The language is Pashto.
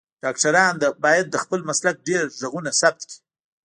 ډاکټران باید د خپل مسلک ډیر غږونه ثبت کړی